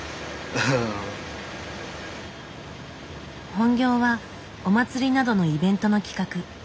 本業はお祭りなどのイベントの企画。